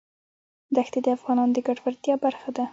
ښتې د افغانانو د ګټورتیا برخه ده.